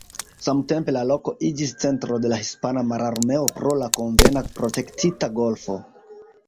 Samtempe la loko iĝis centro de la hispana mararmeo pro la konvena protektita golfo.